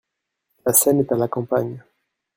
La scène est à la campagne.